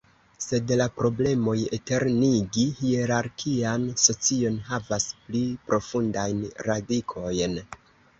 Sed la problemoj eternigi hierarkian socion havas pli profundajn radikojn.